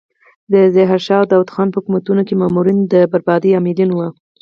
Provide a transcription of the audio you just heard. د ظاهر شاه او داود خان په حکومتونو کې مامورین د بربادۍ عاملین وو.